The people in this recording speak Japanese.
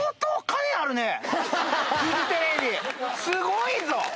すごいぞ！